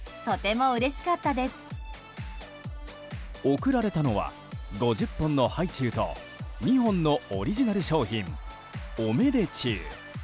送られたのは５０本のハイチュウと２本のオリジナル商品オメデチュウ。